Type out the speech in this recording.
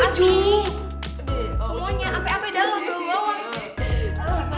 gue takut kena bulu mata